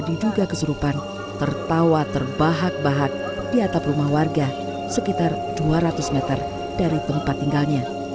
diduga kesurupan tertawa terbahak bahak di atap rumah warga sekitar dua ratus meter dari tempat tinggalnya